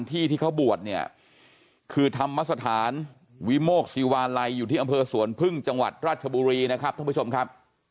ที่เขาบวชเนี่ยคือธรรมสถานวิโมกศิวาลัยอยู่ที่อำเภอสวนพึ่งจังหวัดราชบุรีนะครับท่านผู้ชมครับ